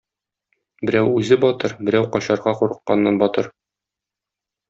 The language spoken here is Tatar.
Берәү үзе батыр, берәү качарга курыкканнан батыр.